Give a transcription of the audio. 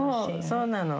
そうなの。